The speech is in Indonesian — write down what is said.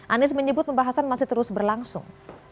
anies menyebut pembahasan masih terus berlangsung